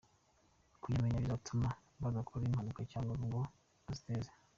Kuyamenya bizatuma badakora impanuka cyangwa ngo baziteze."